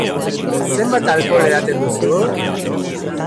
Zenbat alkohol edaten duzu?